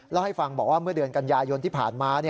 แล้วให้ฟังบอกว่าเมื่อเดือนกันยายนที่ผ่านมา